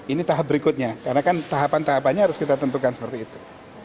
ini tahap berikutnya karena kan tahapan tahapannya harus kita tentukan seperti itu